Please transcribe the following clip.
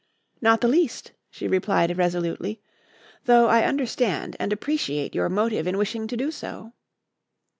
"Not the least," she replied resolutely, "though I understand and appreciate your motive in wishing to do so."